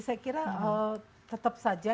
saya kira tetap saja